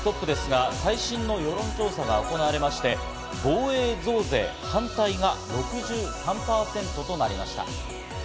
まずトップですが、最新の世論調査が行われ、防衛増税反対が６３％となりました。